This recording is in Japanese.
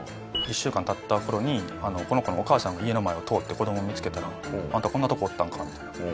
１週間経った頃にこの子のお母さんが家の前を通って子ども見つけたら「あんたこんなとこおったんか」みたいな。